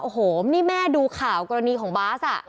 โอ้โหนี่แม่ดูข่าวกรณีของบาส